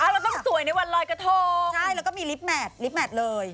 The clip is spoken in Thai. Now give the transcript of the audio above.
เราต้องสวยในวันลอยกระทงใช่แล้วก็มีลิฟต์แมทลิฟแมทเลย